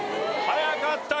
早かった。